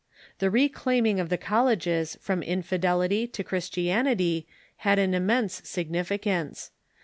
The reclaiming of the colleges from infi delity to Christianity had an immense significance.